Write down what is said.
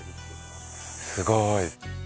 すごい。